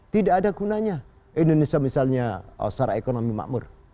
tidak ada gunanya indonesia misalnya secara ekonomi makmur